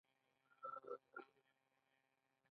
شپږ څلویښتم سوال د ارزیابۍ هدف دی.